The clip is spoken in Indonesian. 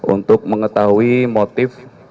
untuk mengetahui motif